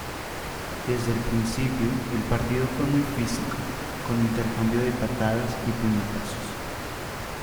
Desde el principio, el partido fue muy físico, con intercambio de patadas y puñetazos.